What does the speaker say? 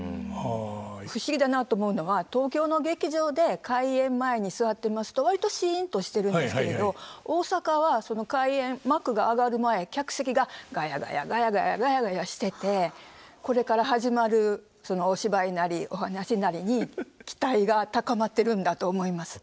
不思議だなと思うのは東京の劇場で開演前に座ってますと割とシンとしてるんですけれど大阪はその開演幕が上がる前客席がガヤガヤガヤガヤガヤガヤしててこれから始まるそのお芝居なりお話なりに期待が高まってるんだと思います。